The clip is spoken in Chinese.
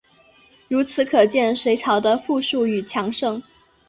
由此可见的隋朝的富庶与强盛。